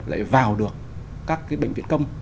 để vào được các cái bệnh viện công